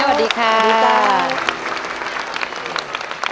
ร้องได้ให้ร้อง